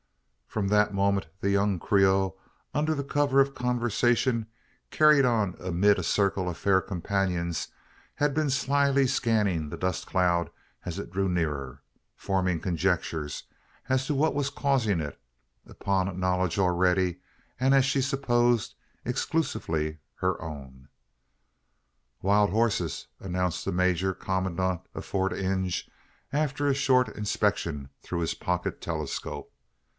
From that moment the young Creole, under cover of a conversation carried on amid a circle of fair companions, had been slyly scanning the dust cloud as it drew nearer; forming conjectures as to what was causing it, upon knowledge already, and as she supposed, exclusively her own. "Wild horses!" announced the major commandant of Fort Inge, after a short inspection through his pocket telescope.